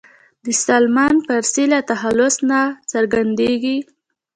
د سلمان فارسي له تخلص نه څرګندېږي.